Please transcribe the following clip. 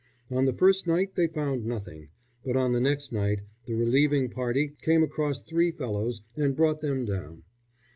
On the first night they found nothing, but on the next night the relieving party came across three fellows and brought them down.